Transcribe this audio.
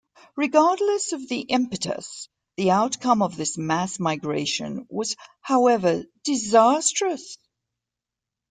Regardless of the impetus, the outcome of this mass migration was, however, disastrous.